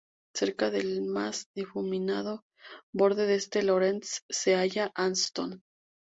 Cerca del más difuminado borde este de Lorentz se halla Aston.